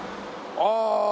ああ。